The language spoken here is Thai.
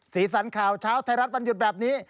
สีสันข่าวเช้าไทยรัฐวันหยุดแบบนี้